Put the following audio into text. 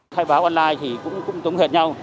khai báo online thì cũng tống hệt nhau